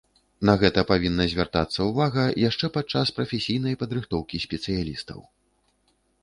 На гэта павінна звяртацца ўвага яшчэ падчас прафесійнай падрыхтоўкі спецыялістаў.